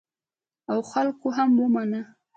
او خلکو هم ومانه.